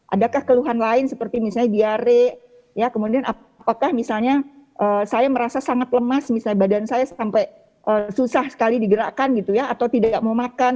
adakah keluhan lain seperti misalnya diare kemudian apakah misalnya saya merasa sangat lemas misalnya badan saya sampai susah sekali digerakkan gitu ya atau tidak mau makan